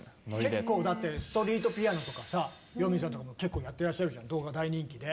結構だってストリートピアノとかさよみぃさんとかも結構やってらっしゃるじゃない動画大人気で。